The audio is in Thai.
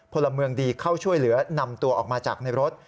พลเมืองดีเข้าช่วยเหลือนำตัวออกมาจากในรถ